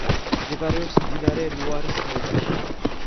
მდებარეობს მდინარე ლუარის ხეობაში.